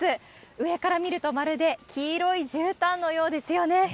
上から見ると、まるで黄色いじゅうたんのようですよね。